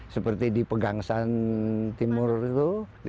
seperti di pegangsan timur itu lima puluh enam